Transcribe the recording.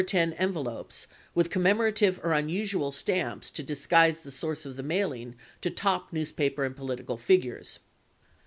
10 envelopes" with com memorative or unusual stamps to disguise the source of the mailing to top newspaper and political figures.